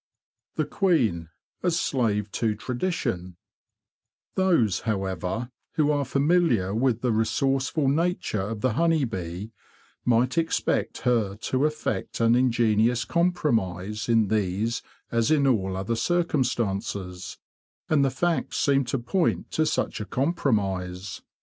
The Queen a Slave to Tradition Those, however, who are familiar with the re sourceful nature of the honey bee might expect her to effect an ingenious compromise in these as in all other circumstances; and the facts seem to point to such a compromise.